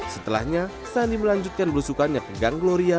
setelahnya sandi melanjutkan belusukannya ke gang gloria